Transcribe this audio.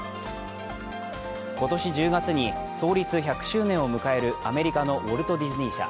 今年１０月に創立１００周年を迎えるアメリカのウォルト・ディズニー社。